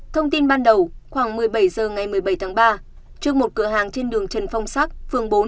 thông tin ban đầu khoảng một mươi bảy h ngày một mươi bảy tháng ba trước một cửa hàng trên đường trần phong sắc phường bốn